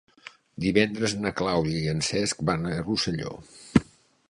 Divendres na Clàudia i en Cesc van a Rosselló.